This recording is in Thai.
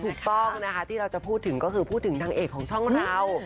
ถูกต้องนะคะที่เราจะพูดถึงก็คือพูดถึงนางเอกของช่องเรา